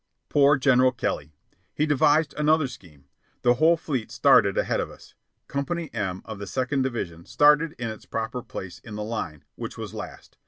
Poor General Kelly! He devised another scheme. The whole fleet started ahead of us. Company M of the Second Division started in its proper place in the line, which was last.